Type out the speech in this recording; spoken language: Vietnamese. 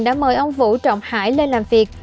đã mời ông vũ trọng hải lên làm việc